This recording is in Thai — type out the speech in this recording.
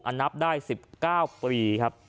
นับได้๑๙ปีครับ